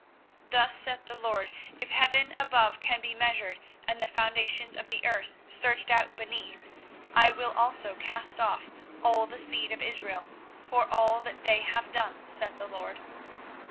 24:031:037 Thus saith the LORD; If heaven above can be measured, and the foundations of the earth searched out beneath, I will also cast off all the seed of Israel for all that they have done, saith the LORD.